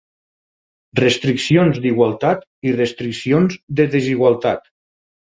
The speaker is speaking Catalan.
Restriccions d'igualtat i restriccions de desigualtat.